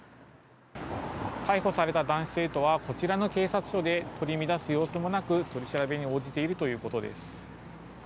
逮捕された男子生徒はこちらの警察署で取り乱す様子もなく取り調べに応じているということです。